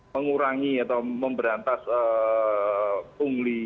mengurangi atau memberantas pungguli